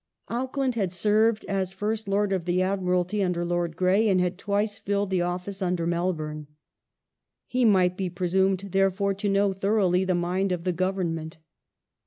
Auckland had served as First Lord of the Admiralty under Lord Grey, and had twice filled the office under Melbourne. He might be presumed, therefore, to know thoroughly the mind of the Government.